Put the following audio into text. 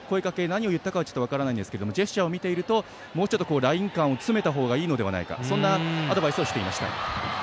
何を言ったかは分からないんですけどジェスチャーを見ているとライン間を詰めたほうがいいのではないかそんなアドバイスをしていました。